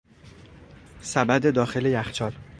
سبد داخل یخچال